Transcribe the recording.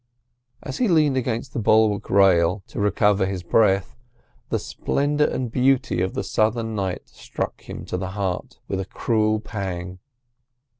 As he leaned against the bulwark rail to recover his breath, the splendour and beauty of the Southern night struck him to the heart with a cruel pang.